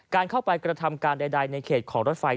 การเข้าไปกระทำการใดในเขตของรถไฟ